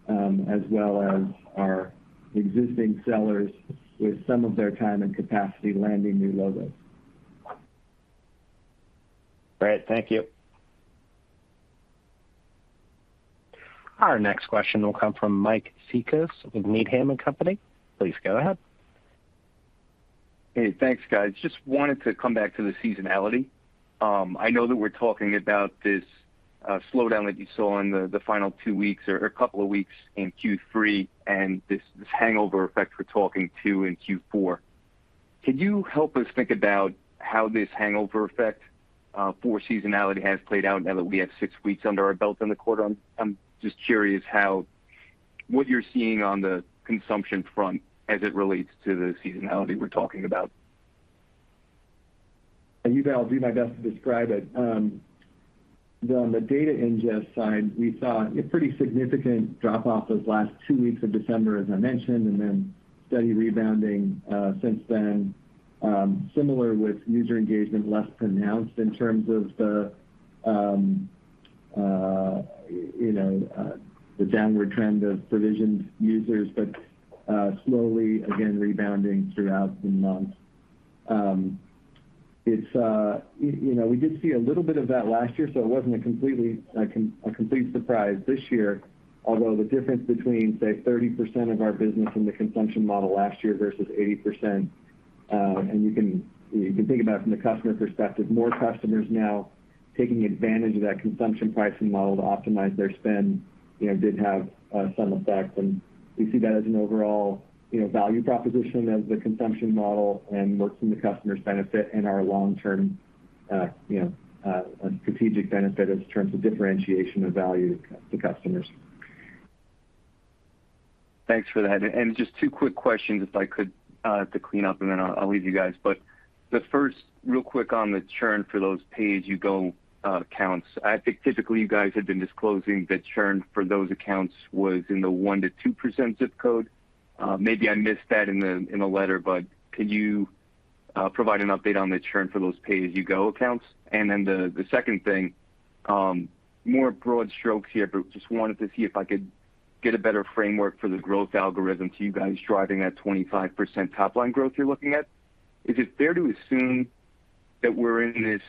as well as our existing sellers with some of their time and capacity landing new logos. Great. Thank you. Our next question will come from Mike Cikos with Needham & Company. Please go ahead. Hey, thanks, guys. Just wanted to come back to the seasonality. I know that we're talking about this slowdown that you saw in the final two weeks or couple of weeks in Q3 and this hangover effect we're talking to in Q4. Could you help us think about how this hangover effect for seasonality has played out now that we have six weeks under our belt in the quarter? I'm just curious how what you're seeing on the consumption front as it relates to the seasonality we're talking about. Yeah. I'll do my best to describe it. On the data ingest side, we saw a pretty significant drop off those last two weeks of December, as I mentioned, and then steady rebounding since then. Similar with user engagement, less pronounced in terms of the you know the downward trend of provisioned users, but slowly again rebounding throughout the month. It's you know we did see a little bit of that last year, so it wasn't a complete surprise this year, although the difference between, say, 30% of our business in the consumption model last year versus 80%, and you can think about from the customer perspective, more customers now taking advantage of that consumption pricing model to optimize their spend, you know, did have some effect. We see that as an overall, you know, value proposition of the consumption model and works in the customer's benefit and our long-term, you know, a strategic benefit in terms of differentiation of value to customers. Thanks for that. Just two quick questions, if I could, to clean up, and then I'll leave you guys. The first, real quick on the churn for those pay-as-you-go accounts. I think typically you guys had been disclosing the churn for those accounts was in the 1%-2% zip code. Maybe I missed that in the letter, but can you provide an update on the churn for those pay-as-you-go accounts? Then the second thing, more broad strokes here, just wanted to see if I could get a better framework for the growth algorithm to you guys driving that 25% top line growth you're looking at. Is it fair to assume that we're in this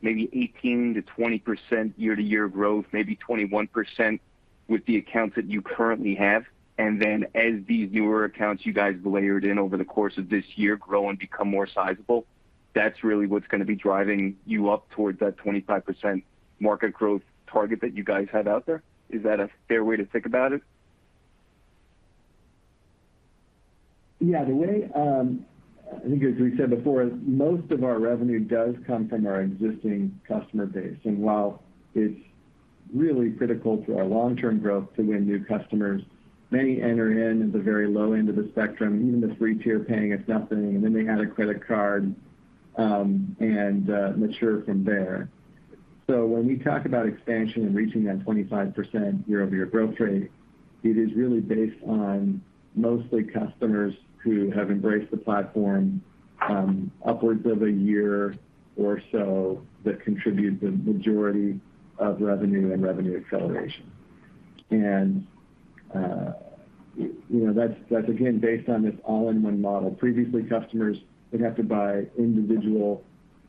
maybe 18%-20% year-to-year growth, maybe 21% with the accounts that you currently have, and then as these newer accounts you guys layered in over the course of this year grow and become more sizable, that's really what's gonna be driving you up towards that 25% market growth target that you guys have out there? Is that a fair way to think about it? Yeah. The way, I think as we said before, most of our revenue does come from our existing customer base. While it's really critical to our long-term growth to win new customers, many enter in at the very low end of the spectrum, even the free tier paying us nothing, and then they add a credit card, and mature from there. When we talk about expansion and reaching that 25% year-over-year growth rate, it is really based on mostly customers who have embraced the platform, upwards of a year or so that contribute the majority of revenue and revenue acceleration. You know, that's again based on this all-in-one model. Previously, customers would have to buy individual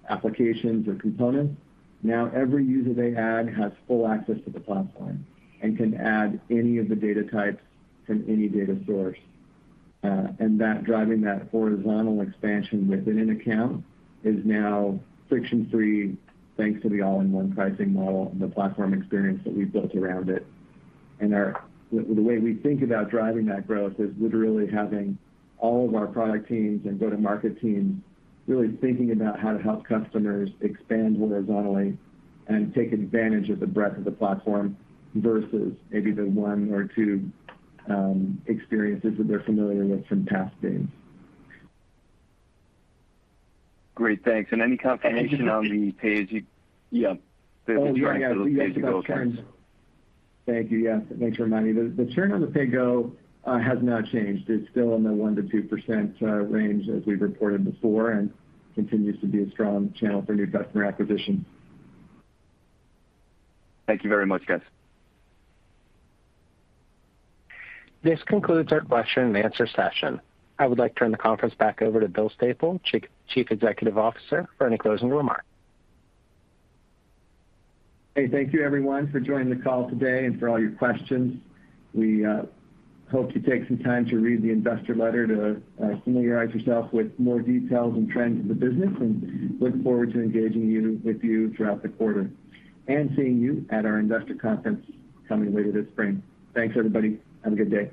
applications or components. Now every user they add has full access to the platform and can add any of the data types from any data source. Driving that horizontal expansion within an account is now friction-free, thanks to the all-in-one pricing model and the platform experience that we've built around it. The way we think about driving that growth is literally having all of our product teams and go-to-market teams really thinking about how to help customers expand horizontally and take advantage of the breadth of the platform versus maybe the one or two experiences that they're familiar with from past days. Great. Thanks. Any confirmation on the pay as you-. Yeah. The churn for those pay-as-you-go accounts. Thank you. Yes. Thanks for reminding me. The churn on the pay-go has not changed. It's still in the 1%-2% range as we've reported before and continues to be a strong channel for new customer acquisition. Thank you very much, guys. This concludes our question and answer session. I would like to turn the conference back over to Bill Staples, Chief Executive Officer, for any closing remarks. Hey, thank you everyone for joining the call today and for all your questions. We hope you take some time to read the investor letter to familiarize yourself with more details and trends in the business, and look forward to engaging with you throughout the quarter and seeing you at our investor conference coming later this spring. Thanks, everybody. Have a good day.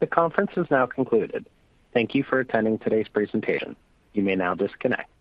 The conference has now concluded. Thank you for attending today's presentation. You may now disconnect.